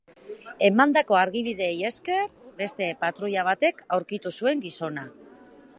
Emandako argibideei esker, beste patruila batek aurkitu zuen gizona.